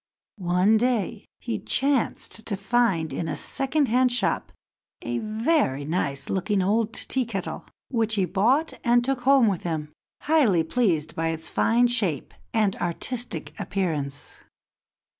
One day he chanced to find in a second hand shop a very nice looking old Tea kettle, which he bought and took home with him, highly pleased by its fine shape and artistic appearance.